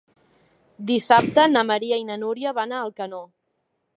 Dissabte na Maria i na Núria van a Alcanó.